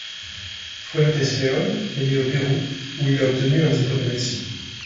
Fuentes-León est né au Pérou où il a obtenu un diplôme de médecine.